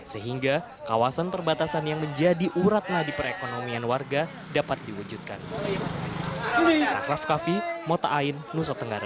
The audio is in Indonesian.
sehingga kawasan perbatasan yang menjadi uratlah di perekonomian warga dapat diwujudkan